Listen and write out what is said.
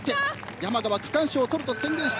山賀は区間賞を取ると宣言した。